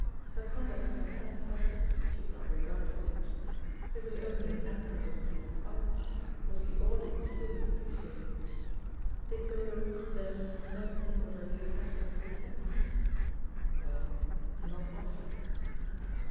Her conduct to her first husband she did not regard as such. It was only an admirable piece of by play, which the audience fully appreciated. Did Dodo then never think of her late husband with tenderness? Well, not often.